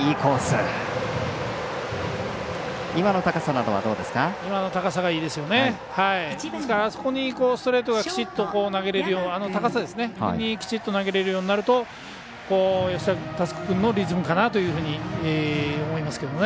あの高さに、ストレートがきちっと投げれるような高さになると吉田佑久君のリズムかなと思いますけどね。